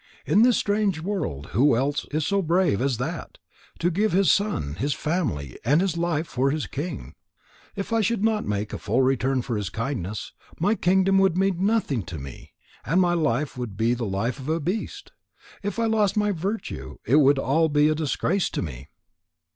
In this strange world who else is so brave as that, to give his son, his family, and his life for his king: If I should not make a full return for his kindness, my kingdom would mean nothing to me, and my life would be the life of a beast. If I lost my virtue, it would all be a disgrace to me."